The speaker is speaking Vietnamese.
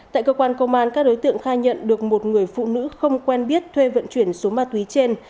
tại cơ quan công an các đối tượng khai nhận được một người phụ nữ không quen biết thuê vận chuyển số ma túy trên